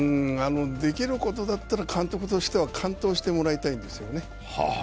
できることだったら、監督としては完投してもらいたいんですよね。